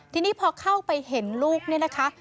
ทีนี้พอเข้าไปเห็นลูกเนี่ยนะคะ